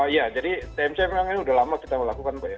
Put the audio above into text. ya jadi tmc memang ini sudah lama kita melakukan pak ya